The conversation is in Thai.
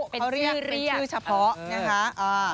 เป็นชื่อเรียกเขาเรียกเป็นชื่อเฉพาะ